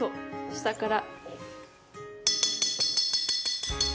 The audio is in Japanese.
下から。